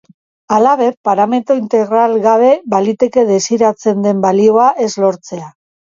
Halaber, parametro integral gabe, baliteke desiratzen den balioa ez lortzea.